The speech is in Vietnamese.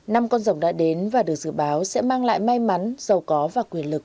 năm con rồng đã đến và được dự báo sẽ mang lại may mắn giàu có và quyền lực